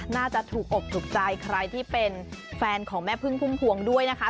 น่าจะถูกอกถูกใจใครที่เป็นแฟนของแม่พึ่งพุ่มพวงด้วยนะคะ